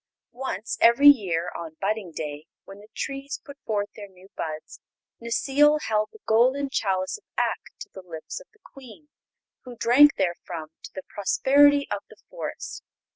Once every year, on Budding Day, when the trees put forth their new buds, Necile held the Golden Chalice of Ak to the lips of the Queen, who drank therefrom to the prosperity of the Forest.